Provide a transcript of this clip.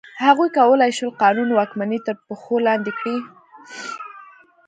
هغوی کولای شول قانون واکمني تر پښو لاندې کړي.